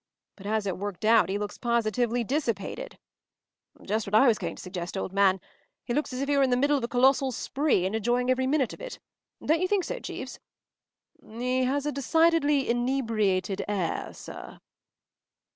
But, as it worked out, he looks positively dissipated.” “Just what I was going to suggest, old man. He looks as if he were in the middle of a colossal spree, and enjoying every minute of it. Don’t you think so, Jeeves?” “He has a decidedly inebriated air, sir.